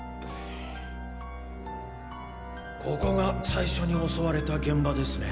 ここが最初に襲われた現場ですね。